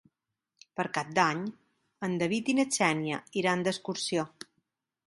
Per Cap d'Any en David i na Xènia iran d'excursió.